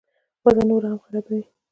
وضع نوره هم خرابوي.